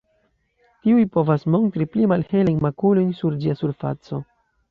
Tiuj povas montri pli malhelajn makulojn sur ĝia surfaco.